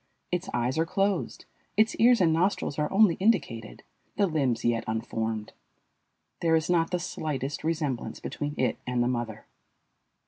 Its eyes are closed, its ears and nostrils are only indicated, the limbs yet unformed. There is not the slightest resemblance between it and the mother.